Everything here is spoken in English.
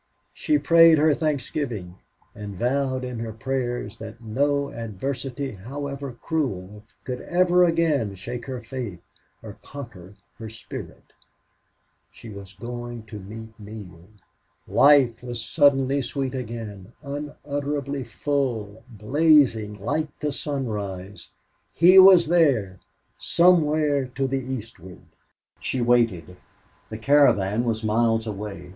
She prayed her thanksgiving, and vowed in her prayers that no adversity, however cruel, could ever again shake her faith or conquer her spirit. She was going on to meet Neale. Life was suddenly sweet again, unutterably full, blazing like the sunrise. He was there somewhere to the eastward. She waited. The caravan was miles away.